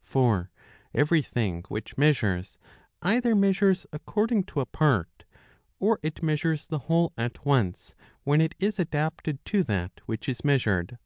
. For every thing which measures, either measures according to a part, or it measures the whole at once when it is adapted to that which is measured.